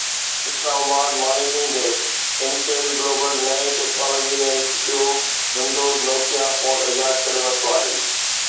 اسلام آباد (monitoring desk) Intel global نئين ٽيڪنالاجي ۾ هڪ ٻيو ونڊو نوڪيا فون ايجاد ڪري ورتو آهي